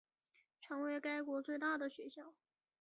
成为该国最大的学校。